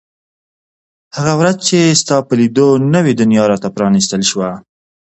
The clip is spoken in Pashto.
هغه ورځ چې ستا په لیدو نوې دنیا را ته پرانیستل شوه.